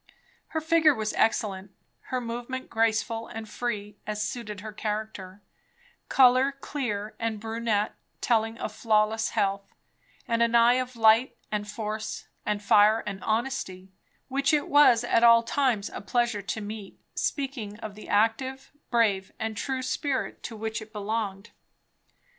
Her figure was excellent; her movement graceful and free, as suited her character; colour clear and brunette, telling of flawless health; and an eye of light and force and fire and honesty, which it was at all times a pleasure to meet, speaking of the active, brave and true spirit to which it belonged.